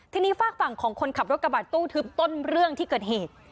ทีนี้ฝากฝั่งของคนขับรถกระบะตู้ทึบต้นเรื่องที่เกิดเหตุ